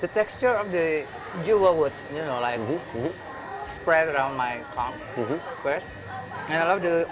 tekstur keju akan tersebar di sekitar kaki saya